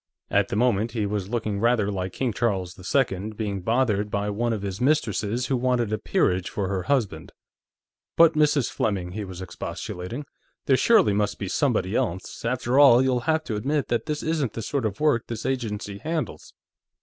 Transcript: At the moment, he was looking rather like King Charles II being bothered by one of his mistresses who wanted a peerage for her husband. "But, Mrs. Fleming," he was expostulating. "There surely must be somebody else.... After all, you'll have to admit that this isn't the sort of work this agency handles."